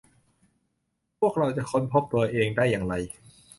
พวกเราจะค้นพบตัวเองได้อย่างไร